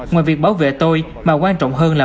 ngoài việc bảo vệ tôi mà quan trọng hơn là